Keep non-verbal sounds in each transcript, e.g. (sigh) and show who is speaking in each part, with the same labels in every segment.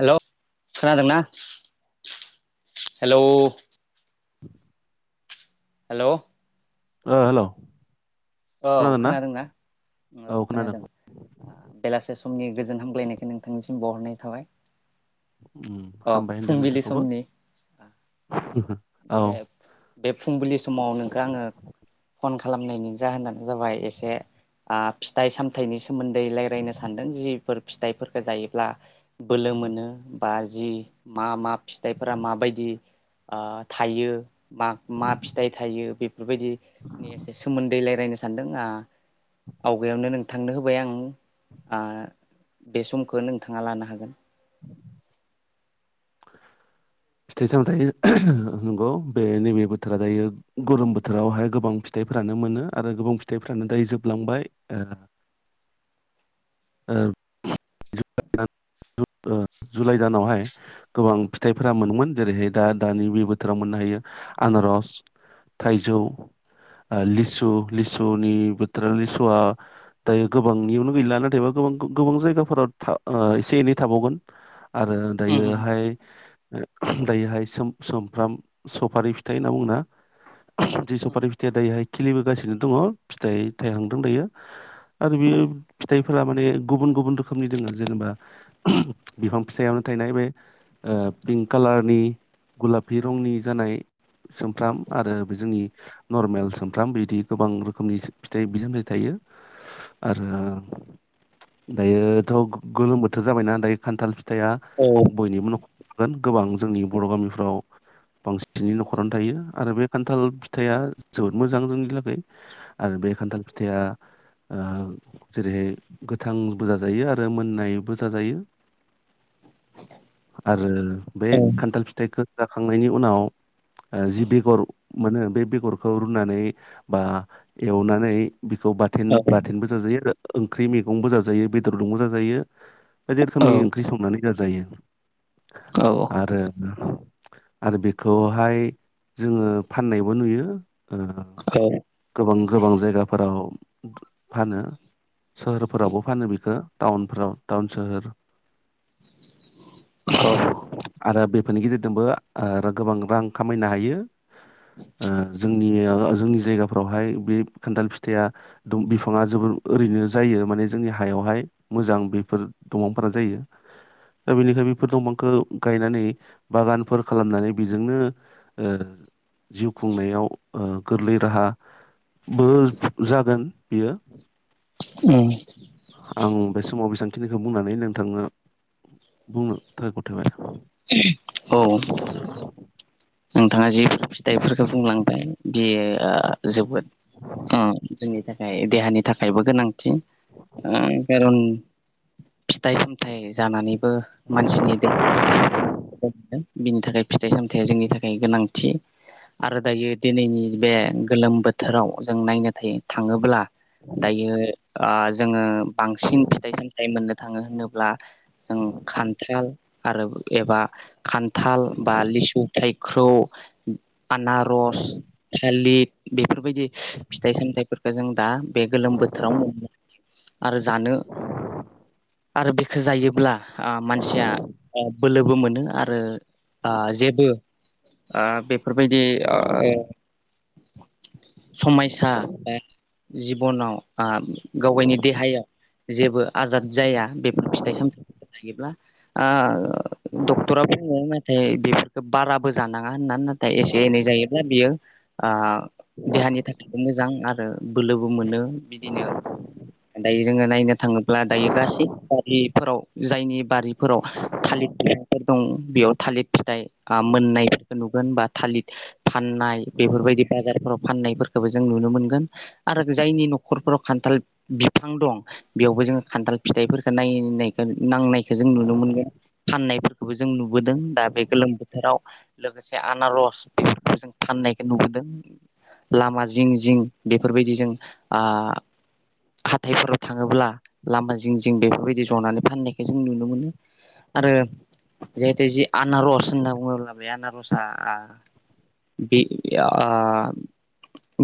Speaker 1: हेल' खोनादोंना हेलौ।
Speaker 2: (inaudible)
Speaker 1: हेल'।
Speaker 2: Hello hello.
Speaker 1: औ खोनादोंना? औ खोनादों बेलासे समनि गोजोन हामग्लायनायखौ नोंथांनिसिम बावहरनाय थाबाय।
Speaker 2: उम
Speaker 1: अ
Speaker 2: हामबाय होनदों
Speaker 1: फुंबिलि
Speaker 2: नोंथांखौबो।
Speaker 1: समनि बे
Speaker 2: औ
Speaker 1: बे फुंबिलि समाव नोंखौ आंङो फन खालामनायनि जाहोनानो जाबाय एसे ओ फिथाइ सामथाइनि सोमोन्दै रायज्लायनो सानदों जि फोर फिथाइफोरखौ जायोब्ला बोलो मोनो बा जि मा मा फिथाइफोरा मा बाय बायदि ओ। थायो म मा फिथाइ थायो बेफोरबायदिनि एसे सोमोन्दै रायजलायनो सानदों आ आवगायावनो नों थांनो होबाय आं ओ बे समखौ नोंथाङा लानो हागोन। (inaudible)
Speaker 2: फिथाइ सामथाय नंगौ बे नैबे बोथोरा जायो गरोम बोथोरावहाय गोबां फिथ फिथाइफ्रानो मोनो आरो गोबां फिथाइफ्रानो दायो जोबलांबाय।
Speaker 1: (inaudible)
Speaker 2: ओ
Speaker 1: औ (inaudible)
Speaker 2: ओ जुलाइ दानावहाय गोबां फिथाइफोरा मोनोमोन जेरैहाय दा दानि बे बोथोराव मोननो हायो। आनारस थाइजौ लिसु लिसुनि बोथोरा लिसुआ दायो गोबांनियावनो गैला नाथायबा गोबां गोबां जायगाफोराव एसे एनै थाबावगोन आरो दायोहाय दायोहाय सुमफ्राम सफारि फिथाइ होनना बुङोना? जि सफारि फिथाइया दायोहाय खिलिबोगासिनो दङ फिथाइ थाइहांदों दायो आरो बेयो फिथाइफोरा माने गुबुन गुबुन रोखोमनि दङ। जेनेबा बिफां फिसायावनो थायनाय बे पिंक कालारनि गुलाफि रंनि जानाय सोमफ्राम आरो बे जोंनि नरमेल सोमफ्राम बिदि गोबां रोखोमनि फिथाइ सामथाइ थायो। आरो दायोथ' गोलोम बोथोर जाबायना दायो खान्थाल फिथाइआ
Speaker 1: औ
Speaker 2: बयनिबो न'खरगोन गोबां जोंनि बर' गामिफ्राव बांसिनै न'खरावनो थायो आरो बे खान्थाल फिथाइया जोबोद मोजां जोंनि थाखाय, आरो बे खान्थाल फिथाइया ओ जेरैहाय गोथांबो जाजायो आरो। आरो मोननायबो जाजायो।
Speaker 1: (inaudible)
Speaker 2: आरो बे खान्थाल फिथाइखौ जाखांनायनि उनाव। जि बेगर मोनो बे बेगरखौ रुनानै बा एवनानै बेखौ बाथोन बाथोनबो जाजायो आरो ओंख्रि मैगंबो जाजायो बेदर दंबो जाजायो। थारो बायदि रोखोमनि ओंख्रि संनानै जाजायो।। आरो आरो बेखौहाय जोङो फाननायबो नुयो। गोबां गोबां जायगाफोराव फानो। सोहोरफोरावबो फानो बिखौ टाउनफ्राव टाउन सोहोर
Speaker 1: (inaudible)
Speaker 2: आरो बेफोरनि गेजेरजोंबो ओ गोबां रां खामायनो हायो। जोंनिनि जोंनि जायगाफोरावहाय बे खान्थाल फिथाइया बिफाङा जोबोद ओरैनो जायो माने जोंनि हायावहाय मोजां बेफोर दफांफोरा जायो। दा बेनिखाय बेफोर दंफांखौ गायनानै बागानफोर खालामनानै बेजोंनो ओ जिउ खुंनायाव ओ गोरलै राहा बो जागोन बियो‌।
Speaker 1: उम
Speaker 2: आं बे समाव बेसेबांखिनिखौ बुंनानै नोंथांनो बुंनो थाखाय गथायबाय
Speaker 1: नोंथाङा जिफोर फिथाइफोरखौ बुंलांबाय बियो जोबोद जोंनि थाखाय देहानि थाखायबो गोनां खारन फिथाइ सामथाय जानानै बो मानसिनि मोन बिनि थाखाय फिथाइ सामथायाइया जोंनि थाखाय गोनांथि आरो दायो दिनैनि बे गोलोम बोथोराव जों नायनो थायो थाङोब्ला दायो ओ जोङो बांसिन फिथाइ सामथाइ मोननो थाङो होनोब्ला जों खान्थाल आरो एबा खान्थाल बा लिसुथाइ ख्रौ आनारस थालिद बेफोरबायदि फिथाइ सामथाइफोरखो जों दा बे गोलोम बोथोराव मोननो हायो। आरो जानो आरो बेखो जायोब्ला ओ मानसिया ओ बोलो बो मोनो आरो ओ जेबो ओ बेफोरबायदि ओ समायसा बा जिबनाव ओ गावगायनि देहायाव जेबो आजाद जाया बेफोर फिथाइ सामथाइफोरखौ जायोब्ला ओ ओ डक्टरा बुङो नाथाय बेफोरखो बाराबो जाना ङा होनना नाथाय एसे एनै जायोब्ला बियो ओ देहानि थाखायबो मोजां आरो बोलोबो मोनो बिदिनो दायो जोङो नायनो थाङोब्ला दायो गासै बारिफोराव जायनि बारिफोराव थालिर बिफांफोर दं बेयाव थालिर फिथाइ ओ मोननायफोरखौ नुगोन बा थालिर फाननाय बेफोरबायदि बाजारफोराव फाननायफोरखौबो जों नु नुनो मोनगोन आरो जायनि न'खरफोराव खान्थाल बिफां दं बेयावबो जों खान्थाल फिथाइ फोरखो नायनायखो नांनायखौ जों नुनो मोनगोन फाननायफोरखौबो जों नुबोदों दा बे गोलोम बो थोराव लोगोसे आनारस बेफोरखौ जों फाननायखौ नुबोदों। लामा जिं जिं बेफोरबायदि जों ओ हाथायफोराव थाङोब्ला लामा जिं जिं बेफोरबायदि ज'नानै फाननायखो जों नुनो मोनो। आरो जिहेथु जि आनारस होनना बुङो बे माबाया आनारसआ ओ बे आ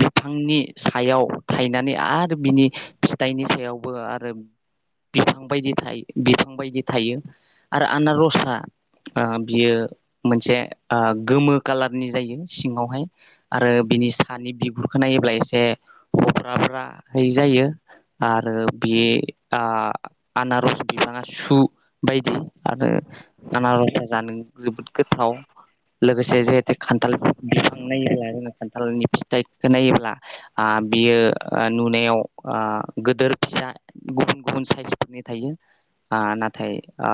Speaker 1: बिफांनि सायाव थायनानै आरो बिनि फिथाइनि सायावबो आरो बिफां बायदि थायो बिफां बायदि थायो आरो आनारसा आ बियो मोनसे ओ गोमो कालारनि जायो सिङावहाय आरो बिनि सानि बिगुरखो नायो ब्ला एसे ह'ब्राब्रायै जायो आरो बे ओ आनारस बिफाङा सु बायदि आरो आनार'सा जानो जोबोद गोथाव लोगोसे जिहेतु खान्थाल बिफां नायोब्ला जोङो खान्थालनि फिथाइखो नायोब्ला आ बियो ओ नुनायाव ओ गोदोर फिसा गुबुन गुबुन साइसफोरनि थायो। आ नाथाय आ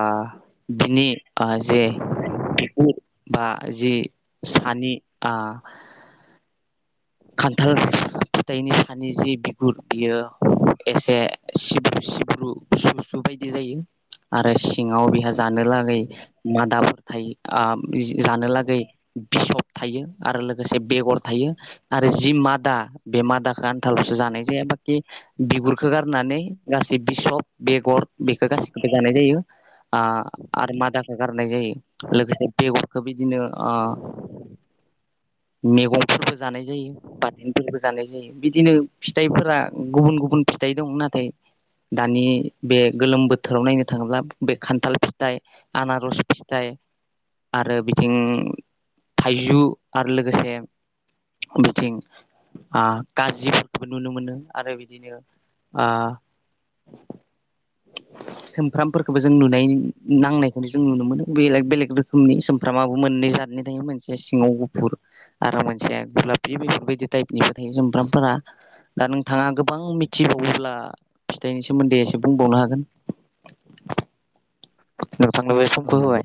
Speaker 1: बिनि ओ जे बिगुर बा जि सानि आ खान्थाल फिथाइनि सानि जि बिगुर बियो एसे सिब्रु सिब्रु सु सु बिदि जायो आरो सिङाव बेहा जानो लागै मादा थायो ओ जा-जानो लागै बिसब थायो आरो लोगोसे बेगर थायो आरो जि मादा बे मादाखो आन्थाल'सो जानाय जाया बाखि बिगुरखो गारनानै गासै बिसब बेगर बेखो गासिखोबो जानाय जायो। ओ आरो मादाखो गारनाय जायो लोगोसे बेगरखौ बिदिनो ओ मेगंफोरबो जानाय जायो बाथोनफोरबो जानाय जायो बिदिनो फिथाइफोरा गुबुन गुबुन फिथाइ दं नाथाय दानि बे गोलोम बोथोराव नायनो थाङोब्ला बे खान्थाल फिथाइ आनारस फिथाइ (unintelligible) आरो बिथिं थाइजु आरो लोगोसे बिथिं आ गाज्रिफोरखौबो नुनो मोनो आरो बिदिनो ओ (inaudible) सोमफ्रामफोरखौबो जों नुनाय नांनायखौनो जों नुनो मोनो बेले बेलेग रोखोमनि सोम फ्रामाबो मोननै जादनि थायो मोनसेया सिङाव गुफुर आरो मोनसेया गुलाब बे बायदि बायदि टाइपनिबो थायो सुमफ्रामफोरा दा नोंथाङा गोबां मिथिबावोब्ला फिथाइनि सोमोन्दै एसे बुंबावनो हागोन नोंथांनो बे
Speaker 2: औ
Speaker 1: समखौ होबाय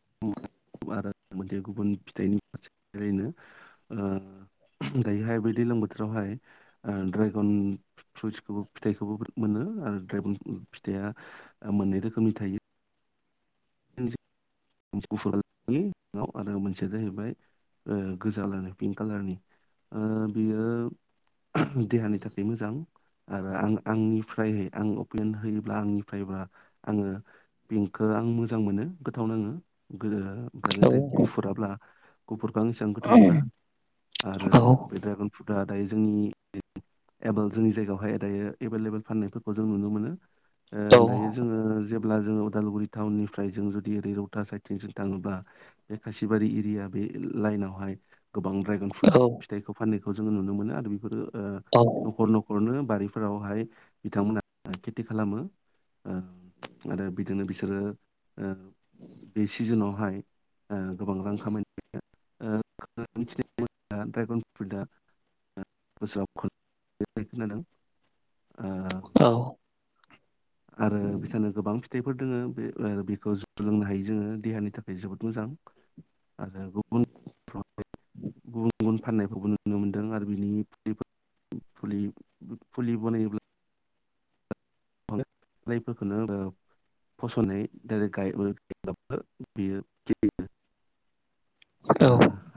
Speaker 2: उम आरो मोनसे गुबुन फिथाइनि फारसे ओरैनो ओ दायोहाय बै दैलां बोथोरावहाय ओ ड्रागन फ्रुइटसखौबो फिथाइखौबो मोनो आरो ड्रेगन फिथाइया ओ मोननै रोखोमनि थायो। (unintelligible) मोनसेया गुफुरलि सिङाव आरो मोनसेया जाहैबाय ओ गोजालारनि पिंक कालारनि ओ बेयो देहानि थाखाय मोजां आरो आं आंनिफ्राय आं अपेन होयोब्ला आंनिफ्रायबा आङो पिंकखो आं मोजां मोनो गोथाव नाङो (unintelligible) ओमफाय नाथाय गुुफुराब्ला गुुफुर इखो आं एसां गोथाव मोना आरो
Speaker 1: औ औ
Speaker 2: बे ड्रेगन फ्रुटआ दायो जोंनि (unintelligible) जोंनि जायगायावहाय दायो एभेलेबल फाननायफोरखौ जों नुनो मोनो। ओ दायो जोङो जेब्ला जोङो उदालगुरि टाउननिफ्राय जों जुदि ओरै रौ टा साइथिं जों थाङोब्ला बे खासिबारि एरिया बे लाइनावहाय गोबां ड्रेगन फ्रुइट फिथाइखौ फाननायखौ जोङो नुनो मोनो आरो बेफोरो ओ न'खर न'खरनो बारिफोरावहाय बिथांमोनहा खेथि खालामो ओ आरो बिदिनो बिसोरो ओ बे सिजोनावहाय ओ गोबां रां खामायनो हायो ओ (unintelligible) ड्रेगन फ्रुइटआ (unintelligible) खोनादों आ आरो बिथोरनो गोबां फिथ थाइफोर दोङो बे ओ बेखौ जु लोंनो हायो जोङो देहानि थाखाय जोबोद मोजां। आरो गुबुन (unintelligible) गुबुन गुबुन फाननायखौबो नुनो मोनदों आरो बिनि (unintelligible) फुलि फुलि बनायोब्ला (unintelligible) फसनयैै (unintelligible) बियो गियो आ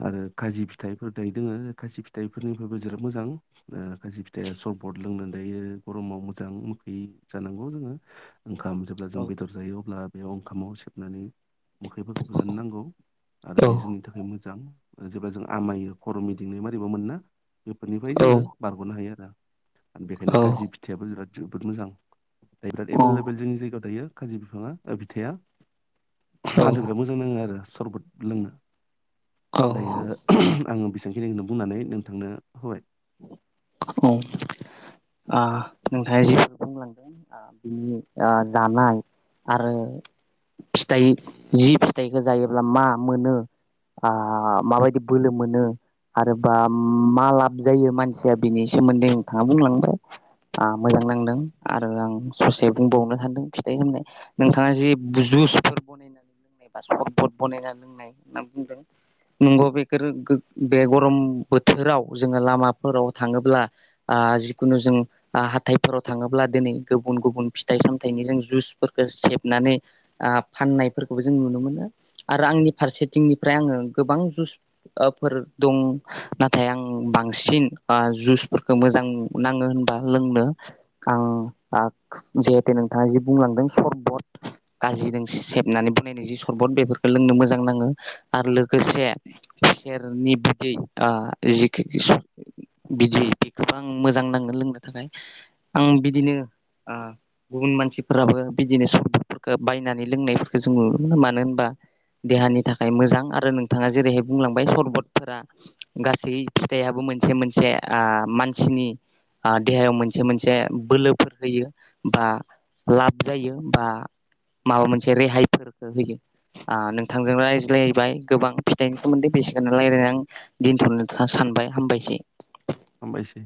Speaker 2: आरो खाजि फि थाइफोर दाय दोङो खारजि फिथाइफोरनिफ्रायबो जोबोद मोजां खारजि फिथाइआ सरबट लोंनानै दायो गरमाव मोजां मुलि जानांगौ जोङो ओंखाम जेब्ला जों बेदर जायो अब्ला बेयाव ओंखामाव सेबनानै मोखैफोरखौबो जानो नांगौ आरो बे जोंनि थाखाय मोजां ओ जेब्ला जों आमायो खर' मिदिंनाय मारैबा मोनोना बेफोरनिफाय जोङो बारग'नो हायो आरो बेखायनो काजि फिथाइयाबो बिराद जोबोद मोजां दायो बिराद एभलेबेल जोंनि जायगायाव दायो काजि बिफाङा ओ बिथाया (unintelligible) आंथ' बिराद मोजां नाङो आरो सरबत लोंनो दायो आङो बेसेबांखिनिखोनो बुंनानै नोंथांनो होबाय
Speaker 1: औ आह नोंथाङा जेफोर बुंलांदों ओ बिनि ओ जानाय आरो फिथाइ जि फिथाइखो जायोब्ला मा मोनो आ माबायदि बोलो मोनो आरोबा मा लाब जायो मानस सिया बिनि सोमोन्दै नोंथांङा बुंलांबाय आ मोजां नांदों आरो आं ससे बुंबावनो सानदों फिथाइनि मुङै। नोंथाङा जि बुजु जुसफोर बनायनानै लोंनाय बा सरबरद बनायनानै लोंनाय होनना बुंदों। नंगौ बे गोर गो बे गरम बोथोराव जोङो लामा फोराव थाङोब्ला आ जिखुनु जों आ हाथायफोराव थाङोब्ला दिनै गुबुन गुबुन फिथाइ सामथायनि जों जुसफोरखौ सेबनानै आ फाननायफोरखौबो जों नुनो मोनो आरो आंनि फारसेथिंनिफ्राय आङो गोबां जुस आफोर दं। नाथाय आं बांसिन आ जुसफोरखौ मोजां नाङो होनबा लोंनो आं आख जिहेते नोंथाङा जि बुंलांदों सरबत। काजिदों सेबनानै बनायनाय जि सरबत बेफोरखो लोंनो मोजां नां आरो लोगोसे खुसेरनि बिदै आ जिखि बिदि बेखौबो आं मोजां नाङो लोंनो थाखाय। आं बिदिनो आ गुबुन मानसिफोराबो बिदिनो सरबतफोरखौ बायनानै लोंनायफोरखौ जों नुनो मोनो। मानो होनबा देहानि थाखाय मोजां आरो नोंथाङा जेरैहाय बुंलांबाय सरबतफोरा गासै फिथाइआबो मोन से मोनसे आ मानसिनि आ देहायाव मोनसे मोनसे बोलोफोर होयो बा लाब जायो बा माबा मोनसे रेहायफोरखौ होयो आ नोंथांजों रायज्लायबाय गोबां फिथाइनि सोमोन्दै बे सेखौनो रायलायना आं दोनथ'नो सानबाय हामबायसै।
Speaker 2: हामबायसै।